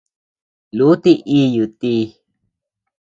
Lúti íyu ti.